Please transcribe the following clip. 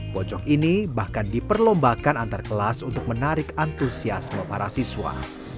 pojok ini bahkan diperlombakan antar kelas untuk menarik antusiasme para siswa